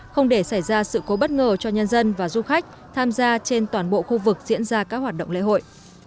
không để xảy ra sự cố bất ngờ cho nhân dân và du khách tham gia trên toàn bộ khu vực diễn ra các hoạt động lễ hội